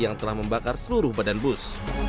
yang telah membakar seluruh badan bus